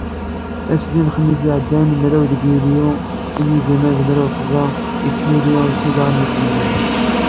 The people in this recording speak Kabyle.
Ass-nni n lexmis iɛeddan, mraw deg yulyu, sin yigiman d mraw d tẓa, yessuli usileɣ n yiselmaden.